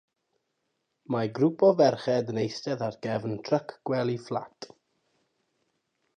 Mae grŵp o ferched yn eistedd ar gefn tryc gwely fflat.